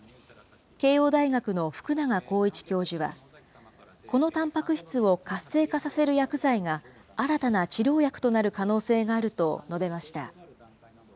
慶応大学の福永興壱教授は、このたんぱく質を活性化させる薬剤が、新たな治療薬となる可能性があると述べました。